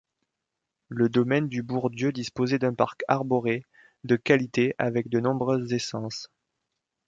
Le domaine du Bourdieu disposait d'un parc arboré de qualité avec de nombreuses essences.